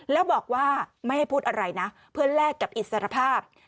แล้วบอกว่าไม่ให้พูดอะไรนะเพื่อแลกกับอิสรภาพ